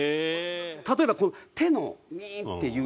例えば手のウイーンっていう。